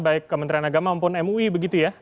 baik kementerian agama maupun mui